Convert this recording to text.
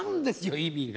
意味が。